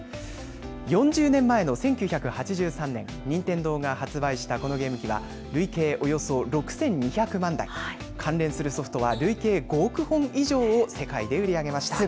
４０年前の１９８３年、任天堂が発売したこのゲーム機は、累計およそ６２００万台、関連するソフトは累計５億本以上を世界で売り上げました。